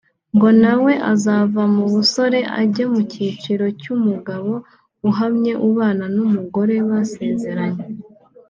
ngo nawe azava mu busore ajye mu cyiciro cy’umugabo uhamye ubana n’umugore basezeranye